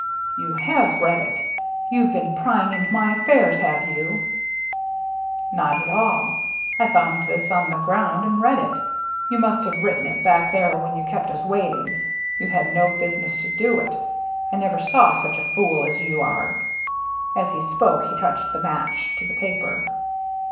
"You have read it! You've been prying into my affairs, have you ?" VAN DEELEN'S BRIDGE 313 " Not at all. I found this on the ground and read it. You must have written it back there when you kept us waiting. You had no business to do it. I never saw such a fool as you are." As he spoke, he touched the match to the paper.